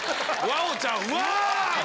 「ワオ」ちゃう！